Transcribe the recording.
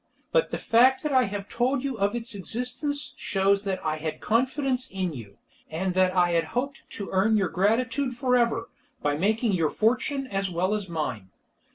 But the fact that I have told you of its existence shows that I had confidence in you, and that I hoped to earn your gratitude for ever, by making your fortune as well as mine.